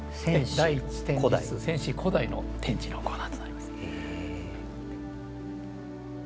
第１展示室先史・古代の展示のコーナーとなります。